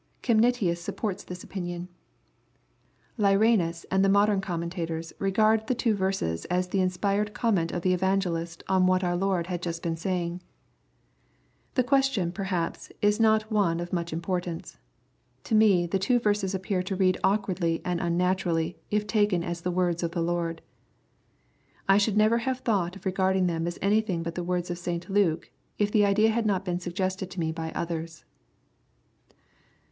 0.iemnitius supports this opinion. Lyranus and the modem commentators regard the two verses as the inspired comment of the Evangelist on what our Lord had just been saying. The question, perhaps, is not one of much importance. To me the two verses appear to read awkwardly and unnaturally, if taken as the words of the Lord. I should never have thought of regarding them as anything but the words of St. Luke, if the idea had not . been suggested to me by others.